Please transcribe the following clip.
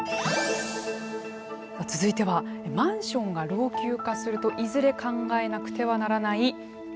続いてはマンションが老朽化するといずれ考えなくてはならないこちら。